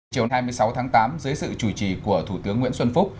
chiều hai mươi sáu tháng tám dưới sự chủ trì của thủ tướng nguyễn xuân phúc